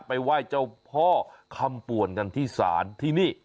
ไปไหว้เจ้าพ่อคำป่วนกันที่ศาลที่นี่